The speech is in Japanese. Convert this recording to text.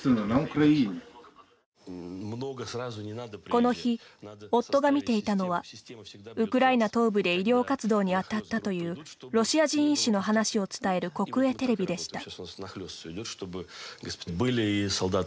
この日、夫が見ていたのはウクライナ東部で医療活動に当たったというロシア人医師の話を伝える国営テレビでした。